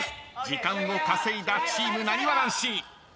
［時間を稼いだチームなにわ男子］